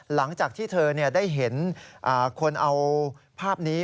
หลังจากที่เธอได้เห็นคนเอาภาพนี้